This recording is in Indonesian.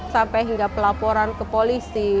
sampai hingga pelaporan ke polisi